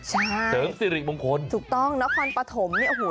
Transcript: ใช่เสริมสิริมงคลถูกต้องนครปฐมเนี่ยโอ้โห